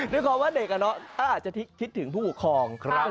ด้วยความว่าอย่างเด็กน้องจะคิดถึงผู้ค่อง